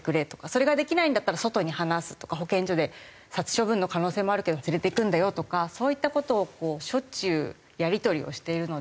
それができないんだったら外に放すとか保健所で殺処分の可能性もあるけど連れていくんだよとかそういった事をしょっちゅうやり取りをしているので。